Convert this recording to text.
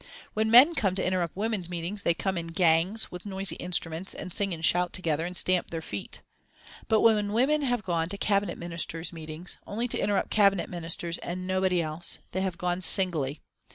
When men come to interrupt women's meetings, they come in gangs, with noisy instruments, and sing and shout together, and stamp their feet. But when women have gone to Cabinet Ministers' meetings only to interrupt Cabinet Ministers and nobody else they have gone singly.